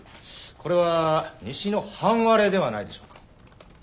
これは西の半割れではないでしょうか？